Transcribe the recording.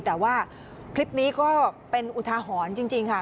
แต่ว่าคลิปนี้ก็เป็นอุทาหรณ์จริงค่ะ